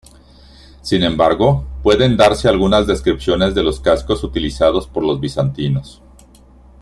Sin embargo, pueden darse algunas descripciones de los cascos utilizados por los bizantinos.